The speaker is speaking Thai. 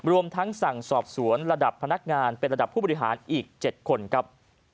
รวมทั้งสั่งสอบสวนระดับพนักงานเป็นระดับผู้บริหารอีก๗คนครับ